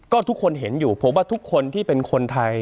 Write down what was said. ก็ทุกคนเห็นอยู่ผมว่าทุกคนที่เป็นคนไทย